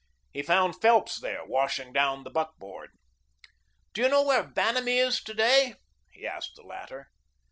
He found Phelps there, washing down the buckboard. "Do you know where Vanamee is to day?" he asked the latter.